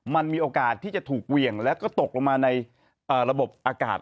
มันมีโอกาสที่จะถูกเหวี่ยงแล้วก็ตกลงมาในระบบอากาศ